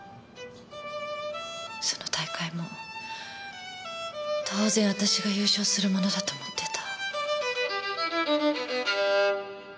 その大会も当然私が優勝するものだと思ってた。